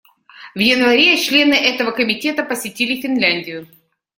В январе члены этого Комитета посетили Финляндию.